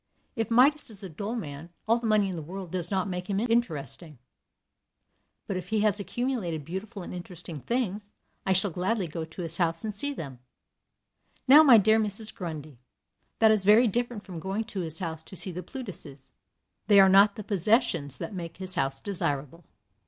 If Midas is a dull man, all the money in the world does not make him interesting. But if he has accumulated beautiful and interesting things, I shall gladly go to his house and see them. Now, my dear Mrs. Grundy, that is very different from going to his house to see the Plutuses. They are not the possessions that make his house desirable.